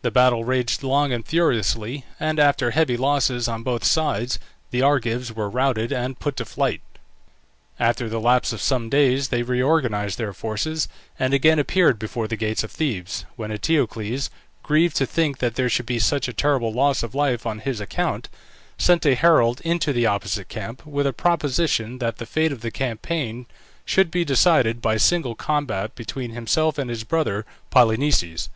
The battle raged long and furiously, and after heavy losses on both sides the Argives were routed and put to flight. After the lapse of some days they reorganized their forces, and again appeared before the gates of Thebes, when Eteocles, grieved to think that there should be such a terrible loss of life on his account, sent a herald into the opposite camp, with a proposition that the fate of the campaign should be decided by single combat between himself and his brother Polynices.